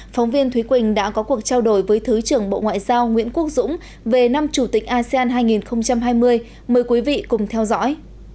phóng viên thúy quỳnh đã có cuộc trao đổi với thứ trưởng bộ ngoại giao nguyễn quốc dũng về năm chủ tịch asean hai nghìn hai mươi mời quý vị cùng theo dõi